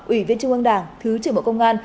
ủy viên trung ương đảng thứ trưởng bộ công an